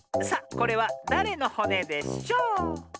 さあこれはだれのほねでしょう？